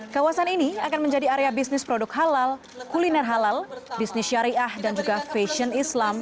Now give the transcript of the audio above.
kawasan ini akan menjadi area bisnis produk halal kuliner halal bisnis syariah dan juga fashion islam